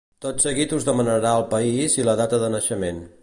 Tot seguit us demanarà el país i la data de naixement.